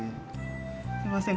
すいません